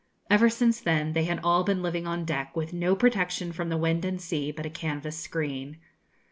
Ever since then they had all been living on deck, with no protection from the wind and sea but a canvas screen.